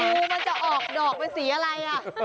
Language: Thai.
งูมันจะออกดอกเป็นสีอะไร